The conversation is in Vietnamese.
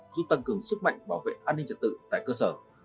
giúp tăng cường sức mạnh bảo vệ an ninh trật tự tại cơ sở